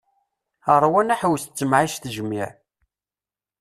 Rwan aḥewwes d temɛict jmiɛ.